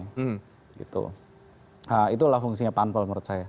nah itulah fungsinya panpel menurut saya